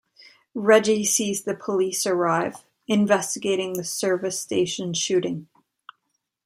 Reggie sees the police arrive, investigating the service station shooting.